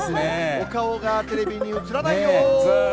お顔がテレビに映らないよー。